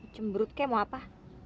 cemberut kayak mau apa